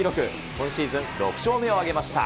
今シーズン６勝目を挙げました。